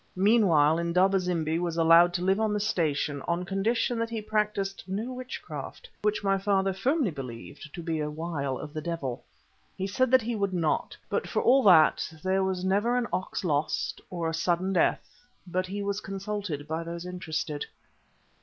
Meanwhile Indaba zimbi was allowed to live on the station on condition that he practised no witchcraft, which my father firmly believed to be a wile of the devil. He said that he would not, but for all that there was never an ox lost, or a sudden death, but he was consulted by those interested.